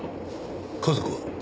家族は？